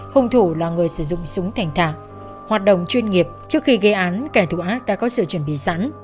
hùng thủ là người sử dụng súng thành thả hoạt động chuyên nghiệp trước khi gây án kẻ thù ác đã có sự chuẩn bị sẵn